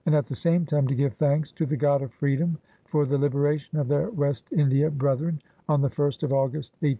at the same time, to give thanks to the God of freedom for the liberation of their West India brethren, on the First of August, 183 i.